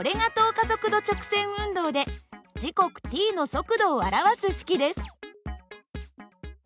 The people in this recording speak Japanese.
加速度直線運動で時刻ｔの速度を表す式です。